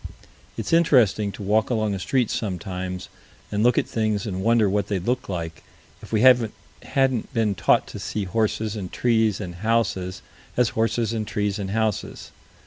It's interesting to walk along a street sometimes and look at things and wonder what they'd look like, if we hadn't been taught to see horses and trees and houses as horses and trees and houses.